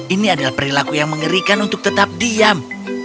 ini adalah perilaku yang mengerikan untuk tetap diam